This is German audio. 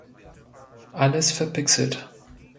Alles verpixelt.